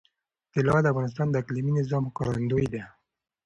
طلا د افغانستان د اقلیمي نظام ښکارندوی ده.